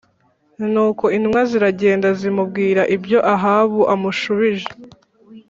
Nuko intumwa ziragenda zimubwira ibyo Ahabu amushubije